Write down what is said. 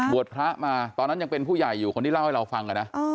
พระมาตอนนั้นยังเป็นผู้ใหญ่อยู่คนที่เล่าให้เราฟังนะ